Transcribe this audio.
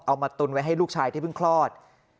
มาตุนไว้ให้ลูกชายที่เพิ่งคลอด